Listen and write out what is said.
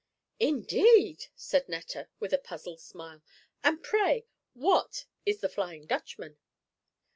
"Indeed!" said Netta, with a puzzled smile; "and pray, what is the Flyin' Dutchman?"